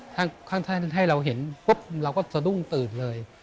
ข้างให้เราเห็นปุ๊บเราก็สะดุ้งตื่นเลย